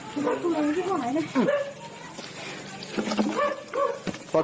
ปลดที่มือหน่อย